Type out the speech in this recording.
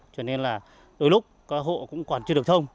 cho nên là đôi lúc các hộ cũng còn chưa được thông